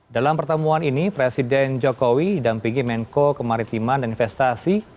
dalam pertemuan ini presiden jokowi dampingi menko kemaritiman dan investasi